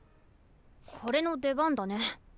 これの出番だね。